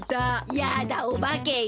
やだおばけいた。